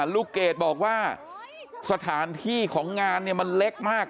ลูกเกดบอกว่าสถานที่ของงานเนี่ยมันเล็กมาก